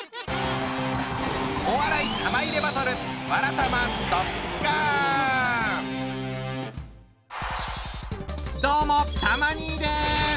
お笑い玉入れバトルどうもたま兄です！